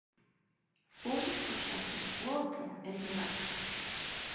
Un, o xefe; o outro, empregado.